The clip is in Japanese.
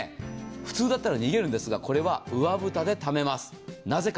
普通だったら逃げるんですが、これは上蓋でためます、なぜか。